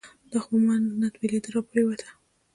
دا خو بهٔ چې مانه بېلېده راپرېوته